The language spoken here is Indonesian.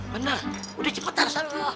bener udah cepet arah sana mbah